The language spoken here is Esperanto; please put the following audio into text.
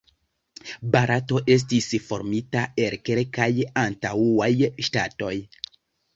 Barato estis formita el kelkaj antaŭaj ŝtatoj.